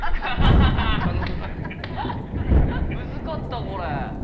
ムズかったこれ。